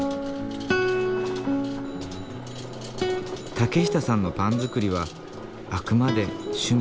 竹下さんのパン作りはあくまで趣味。